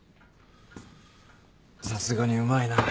さすがにうまいな。